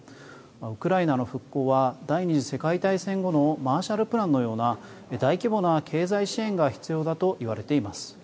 ウクライナの復興は第２次世界大戦後のマーシャルプランのような大規模な経済支援が必要だと言われています。